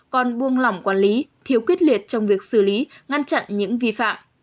còn buông lỏng quản lý thiếu quyết liệt trong việc xử lý ngăn chặn những vi phạm